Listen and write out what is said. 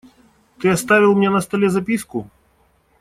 Ты оставил мне на столе записку?